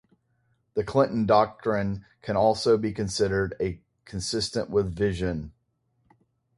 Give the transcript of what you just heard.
The Clinton Doctrine can also be considered as consistent with this vision.